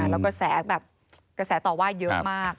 และก็แสแส่ต่อว่าเยอะมาก